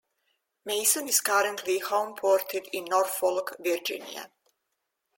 "Mason" is currently homeported in Norfolk, Virginia.